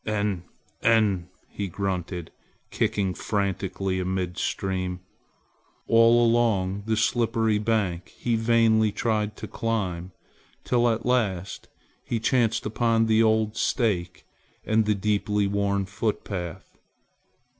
"En! En!" he grunted kicking frantically amid stream. All along the slippery bank he vainly tried to climb, till at last he chanced upon the old stake and the deeply worn footpath.